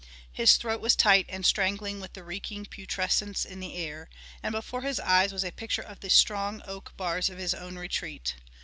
His throat was tight and strangling with the reeking putrescence in the air. And before his eyes was a picture of the strong oak bars of his own retreat.